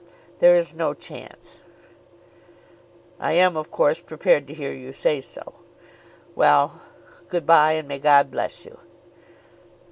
"There is no chance." "I am, of course, prepared to hear you say so. Well; good bye, and may God bless you."